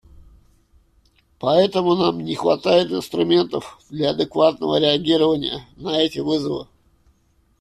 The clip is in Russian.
Поэтому нам не хватает инструментов для адекватного реагирования на эти вызовы.